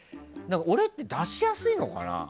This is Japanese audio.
俺って出しやすいのかな。